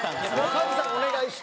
加地さんにお願いして。